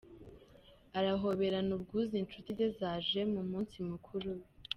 Arahoberana ubwuzu inshuti ze zaje mu munsi mukuru we.